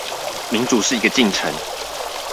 民主是一個進程